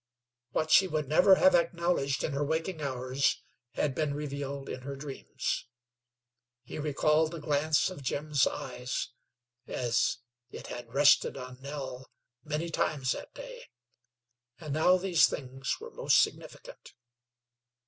What she would never have acknowledged in her waking hours had been revealed in her dreams. He recalled the glance of Jim's eyes as it had rested on Nell many times that day, and now these things were most significant.